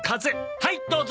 はいどうぞ！